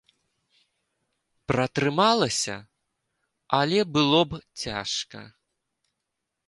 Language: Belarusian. Пратрымалася, але было б цяжка.